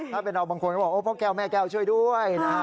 ถ้าเป็นเราบางคนก็บอกพ่อแก้วแม่แก้วช่วยด้วยนะฮะ